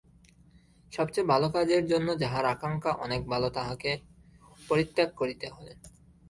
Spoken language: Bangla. সবচেয়ে ভালো জন্য যাহার আকাঙক্ষা, অনেক ভালো তাহাকে পরিত্যাগ করিতে হয়।